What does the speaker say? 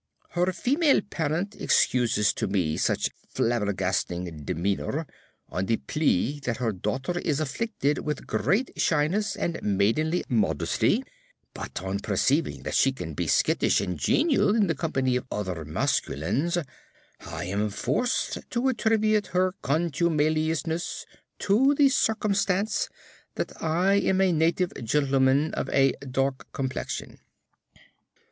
Her female parent excuses to me such flabbergasting demeanour on the plea that her daughter is afflicted with great shyness and maidenly modesty, but, on perceiving that she can be skittish and genial in the company of other masculines, I am forced to attribute her contumeliousness to the circumstance that I am a native gentleman of a dark complexion.